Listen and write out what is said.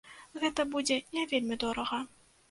Гэта будзе не вельмі дорага.